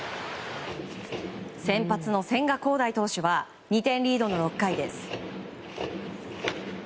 先発の千賀滉大投手は２点リードの６回です。